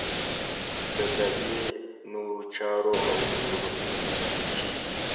د زاویې نورو چارو او ضرورتونو ته ځانګړې شوي دي.